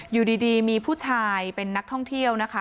อยู่ดีมีผู้ชายเป็นนักท่องเที่ยวนะคะ